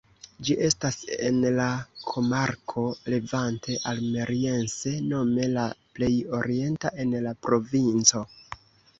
Ĝi estas en la komarko "Levante Almeriense" nome la plej orienta en la provinco.